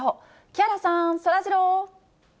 木原さん、そらジロー。